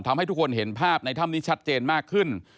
ทำให้ทุกคนเห็นภาพในถ้ำนี้ชัดเจนมากขึ้น